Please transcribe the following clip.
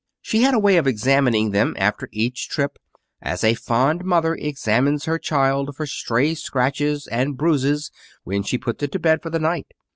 She had a way of examining them after each trip, as a fond mother examines her child for stray scratches and bruises when she puts it to bed for the night.